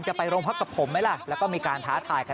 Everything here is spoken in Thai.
จะไปโรงพร้อมมั้ยล่ะแล้วก็มีการท้าทาย